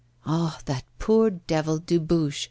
'Ah! that poor devil Dubuche!